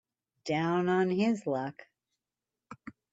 Down on his luck